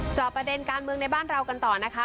จอบประเด็นการเมืองในบ้านเรากันต่อนะคะ